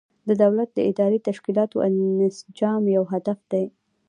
د دولت د اداري تشکیلاتو انسجام یو هدف دی.